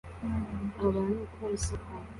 Abantu ku isoko